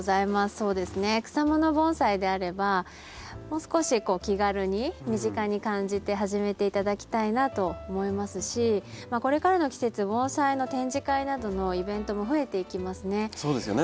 そうですね草もの盆栽であればもう少し気軽に身近に感じて始めて頂きたいなと思いますしこれからの季節盆栽の展示会などのイベントも増えていきますね。